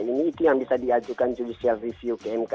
ini itu yang bisa diajukan judicial review ke mk